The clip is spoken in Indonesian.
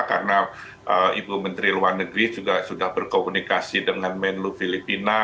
karena ibu menteri luar negeri juga sudah berkomunikasi dengan menlu filipina